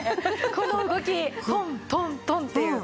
この動きトントントンっていう。